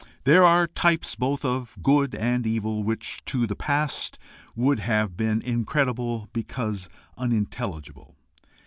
There are types both of good and of evil which to the past would have been incredible because unintelligible.